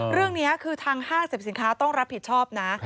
เรื่องนี้คือทางห้างสรรพสินค้าต้องรับผิดชอบนะ